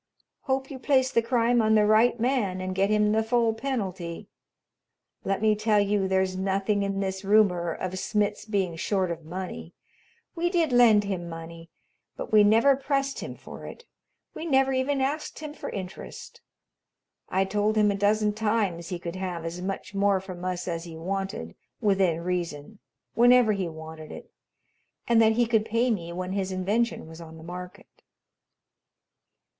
Hope you place the crime on the right man and get him the full penalty. Let me tell you there's nothing in this rumor of Smitz being short of money. We did lend him money, but we never pressed him for it. We never even asked him for interest. I told him a dozen times he could have as much more from us as he wanted, within reason, whenever he wanted it, and that he could pay me when his invention was on the market."